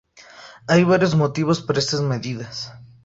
Hay varios motivos para estas medidas.